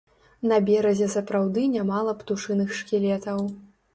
На беразе сапраўды нямала птушыных шкілетаў.